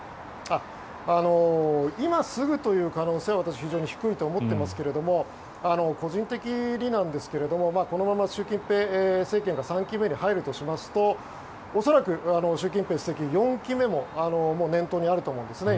今すぐという可能性は私は非常に低いと思っていますが個人的になんですがこのまま習近平政権が３期目に入るとすると恐らく、習近平主席は４期目も念頭にあると思うんですね。